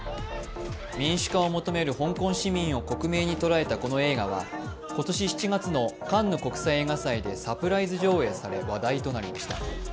民主化を求める香港市民を克明に捉えたこの映画は、この映画は今年７月のカンヌ国際映画祭でサプライズ上映され、話題となりました。